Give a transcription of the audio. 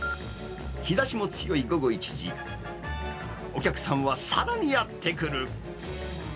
日ざしも強い午後１時、お客さんはさらにやって来る。